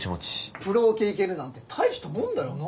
プロオケいけるなんて大したもんだよな！